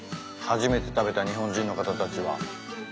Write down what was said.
初めて食べた日本人の方たちは。